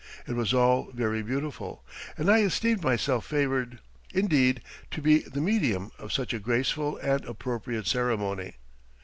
It was all very beautiful, and I esteemed myself favored, indeed, to be the medium of such a graceful and appropriate ceremony.